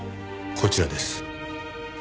こちらです。